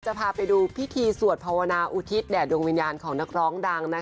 จะพาไปดูพิธีสวดภาวนาอุทิศแด่ดวงวิญญาณของนักร้องดัง